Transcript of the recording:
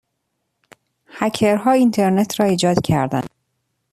هکرها اینترنت را ایجاد کردند.